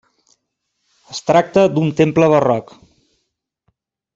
Es tracta d'un temple barroc.